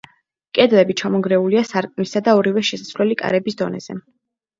კედლები ჩამონგრეულია სარკმლისა და ორივე შესასვლელი კარების დონეზე.